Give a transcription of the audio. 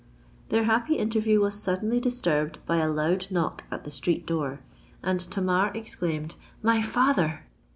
Their happy interview was suddenly disturbed by a loud knock at the street door; and Tamar exclaimed, "My father!"